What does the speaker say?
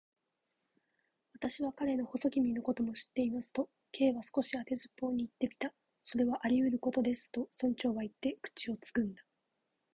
「私は彼の細君のことも知っています」と、Ｋ は少し当てずっぽうにいってみた。「それはありうることです」と、村長はいって、口をつぐんだ。